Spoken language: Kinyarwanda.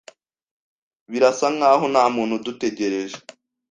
Birasa nkaho ntamuntu udutegereje.